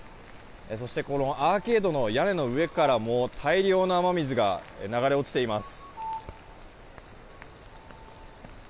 そして、アーケードの屋根の上からも大量の雨水が流れ落ちています。